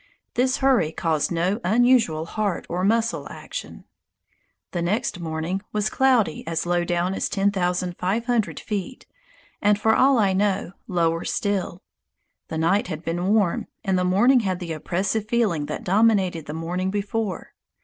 This hurry caused no unusual heart or muscle action. The next morning was cloudy as low down as ten thousand five hundred feet, and, for all I know, lower still. The night had been warm, and the morning had the oppressive feeling that dominated the morning before.